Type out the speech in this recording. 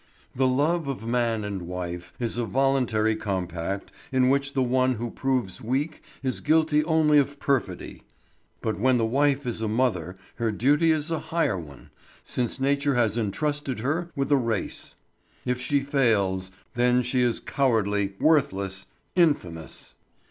The love of man and wife is a voluntary compact in which the one who proves weak is guilty only of perfidy; but when the wife is a mother her duty is a higher one, since nature has intrusted her with a race. If she fails, then she is cowardly, worthless, infamous.